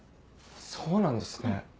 そうなんですね。